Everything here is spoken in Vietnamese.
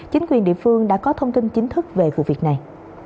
chính quyền địa phương đã có thông tin chính thức về vụ việc này